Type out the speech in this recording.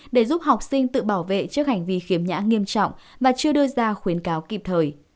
để giúp học sinh tự bảo vệ trước hành vi khiếm nhã nghiêm trọng và chưa đưa ra khuyến cáo kịp thời